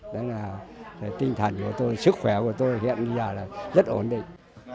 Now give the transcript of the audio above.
đó là tinh thần của tôi sức khỏe của tôi hiện bây giờ là rất ổn định